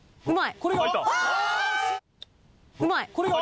うまい！